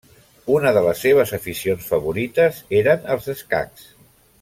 Una de les seves aficions favorites eren els escacs.